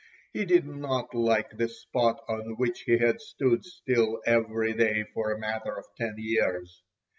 He did not like the spot on which he had stood still every day for a matter of ten years.